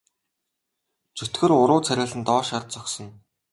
Чөтгөр уруу царайлан доош харж зогсоно.